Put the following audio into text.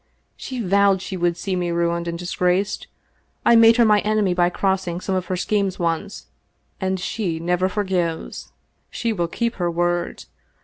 " She vowed she would see me ruined and disgraced. I made her my enemy by cross ing some of her schemes once, and she never forgives. She will keep her word.